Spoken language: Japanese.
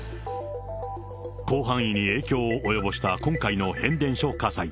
広範囲に影響を及ぼした今回の変電所火災。